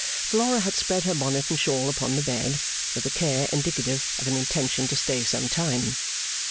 Flora had spread her bonnet and shawl upon the bed, with a care indicative of an intention to stay some time.